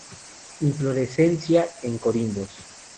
Inflorescencia en corimbos.